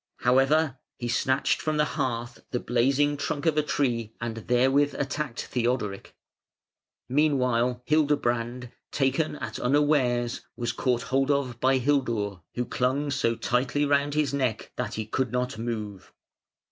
However, he snatched from the hearth the blazing trunk of a tree and therewith attacked Theodoric. Meanwhile Hildebrand, taken at unawares, was caught hold of by Hildur, who clung so tightly round his neck that he could not move.